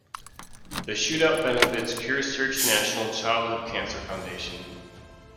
The shootout benefits CureSearch National Childhood Cancer Foundation.